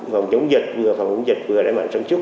phòng chống dịch vừa phòng chống dịch vừa đẩy mạnh sản xuất